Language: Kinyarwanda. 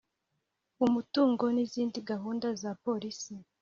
umutungo n izindi gahunda za Polisi